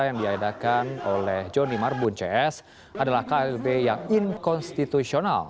yang diadakan oleh joni marbun cs adalah klb yang inkonstitusional